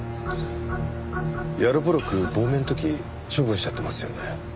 ヤロポロク亡命の時処分しちゃってますよね？